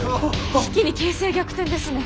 一気に形勢逆転ですね。